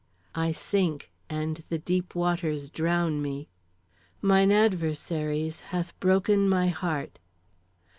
"I sink, and the deep waters drown me. "Mine adversaries hath broken my heart.